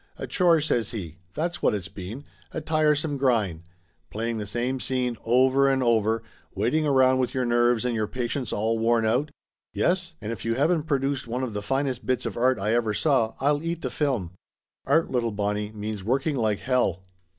"A chore!" says he. "That's what it's been! A tiresome grind. Playing the same scene over and over, waiting around with your nerves and your patience almost worn out. Yes? And if you haven't produced 174 Laughter Limited one of the finest bits of art I ever saw I'll eat the film. Art, little Bonnie, means working like hell."